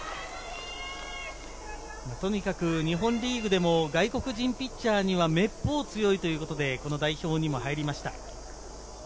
とにかく日本リーグでも外国人ピッチャーにはめっぽう強いということで代表にも入りました。